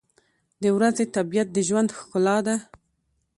• د ورځې طبیعت د ژوند ښکلا ده.